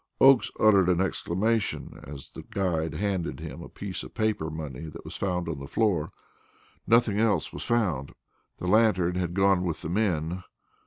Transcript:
Oakes uttered an exclamation, as the guide handed him a piece of paper money that was on the floor. Nothing else was found. The lantern had gone with the men.